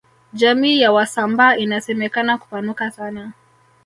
jamii ya wasambaa inasemekana kupanuka sana